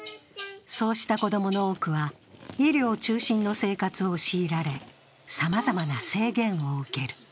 そうした子供の多くは医療中心の生活を強いられ、さまざまな制限を受ける。